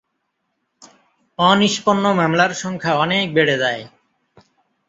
অনিষ্পন্ন মামলার সংখ্যা অনেক বেড়ে যায়।